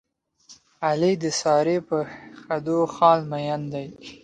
علي د سارې په خدو خال مین دی.